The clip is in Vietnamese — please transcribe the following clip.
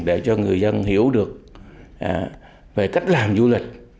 để cho người dân hiểu được về cách làm du lịch